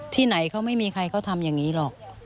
ที่ไหนเขาไม่มีใครเขาทำอย่างนี้หรอก